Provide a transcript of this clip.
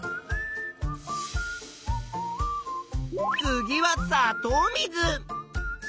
つぎはさとう水。